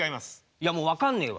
いやもう分かんねえわ。